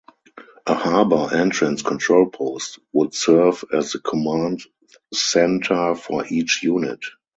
A Harbor Entrance Control Post would serve as the command center for each unit.